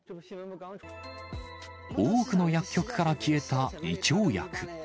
多くの薬局から消えた胃腸薬。